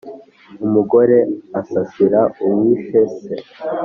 Umugore asasira uwishe se.